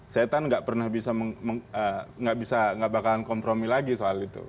syaitan nggak bakalan kompromi lagi soal itu